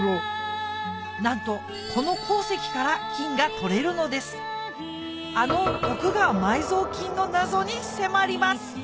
なんとこの鉱石から金が採れるのですあの徳川埋蔵金の謎に迫ります